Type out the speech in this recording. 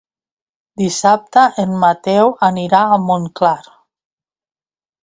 Dissabte en Mateu anirà a Montclar.